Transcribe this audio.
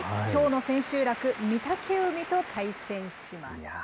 きょうの千秋楽、御嶽海と対戦します。